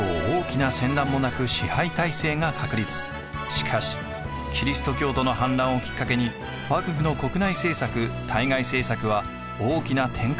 しかしキリスト教徒の反乱をきっかけに幕府の国内政策対外政策は大きな転換を余儀なくされます。